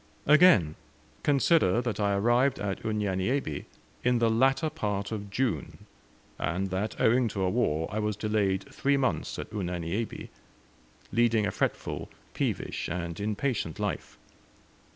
Again, consider that I arrived at Unyanyembe in the latter part of June, and that owing to a war I was delayed three months at Unyanyembe, leading a fretful, peevish and impatient life.